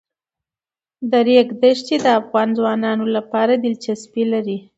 د ریګ دښتې د افغان ځوانانو لپاره دلچسپي لري.